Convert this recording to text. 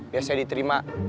biar saya diterima